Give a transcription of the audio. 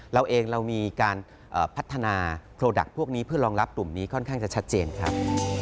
เราเองเรามีการพัฒนาโปรดักต์พวกนี้เพื่อรองรับกลุ่มนี้ค่อนข้างจะชัดเจนครับ